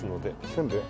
せんべい？